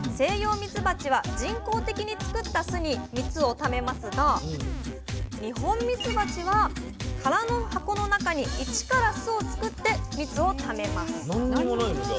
ミツバチは人工的に作った巣に蜜をためますが二ホンミツバチは空の箱の中にイチから巣を作って蜜をためます。